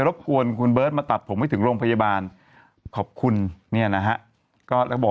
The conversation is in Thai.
บกวนคุณเบิร์ตมาตัดผมให้ถึงโรงพยาบาลขอบคุณเนี่ยนะฮะก็แล้วบอก